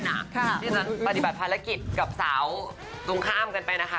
ที่ฉันปฏิบัติภารกิจกับสาวตรงข้ามกันไปนะคะ